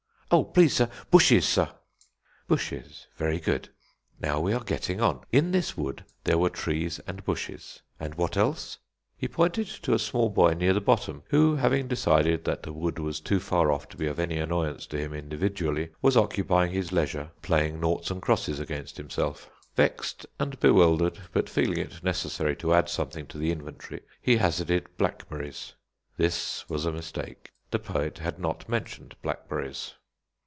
"Oh, please, sir, bushes, sir." "Bushes; very good. Now we are getting on. In this wood there were trees and bushes. And what else?" He pointed to a small boy near the bottom, who having decided that the wood was too far off to be of any annoyance to him, individually, was occupying his leisure playing noughts and crosses against himself. Vexed and bewildered, but feeling it necessary to add something to the inventory, he hazarded blackberries. This was a mistake; the poet had not mentioned blackberries.